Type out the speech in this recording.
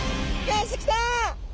よしきた！